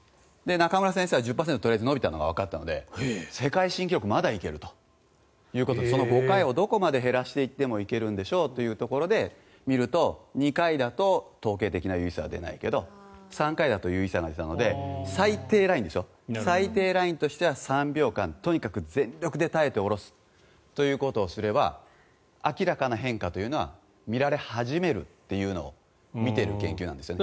中村先生は１０％伸びたのがとりあえずわかったので世界新記録まだいけるということで５回をどこまで減らしていってもいけるんでしょうところで見ると２回だと統計的な優位性が出ないけど３回だと有意性が出たので最低ラインですよ最低ラインとしては３秒間とにかく全力で耐えて下ろすことをすれば明らかな変化というのは見られ始めるというのを見ている研究なんですね。